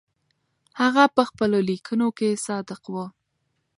هغه په خپلو لیکنو کې صادق و.